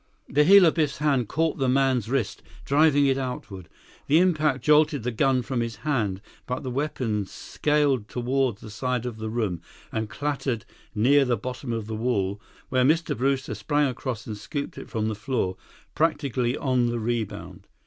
The heel of Biff's hand caught the man's wrist, driving it outward. The impact jolted the gun from his hand, but the weapon scaled toward the side of the room and clattered near the bottom of the wall, where Mr. Brewster sprang across and scooped it from the floor, practically on the rebound.